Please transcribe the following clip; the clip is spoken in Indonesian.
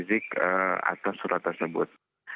rizik atas surat tersebut